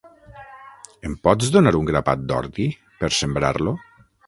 Em pots donar un grapat d'ordi, per sembrar-lo?